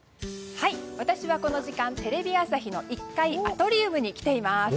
私はこの時間テレビ朝日の１階アトリウムに来ています。